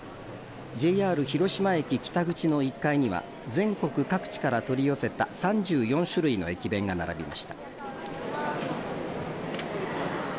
ＪＲ広島駅北口の１階には全国各地から取り寄せた３４種類の駅弁が並びました。